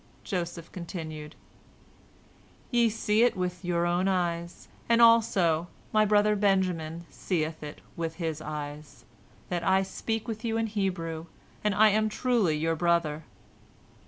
Joseph continued, "Ye see it with your own eyes, and also my brother Benjamin seeth it with his eyes, that I speak with you in Hebrew, and I am truly your brother."